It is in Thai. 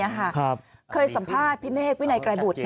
ยังไงเราก็ต้องไปต่อยังไงเราก็ต้องไปต่อยังไงเราก็ไม่ตาย